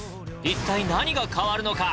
一体何が変わるのか？